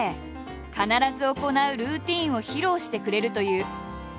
必ず行うルーティンを披露してくれるという。